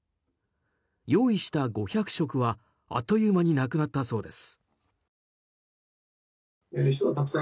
用意した５００食はあっという間になくなったそうです。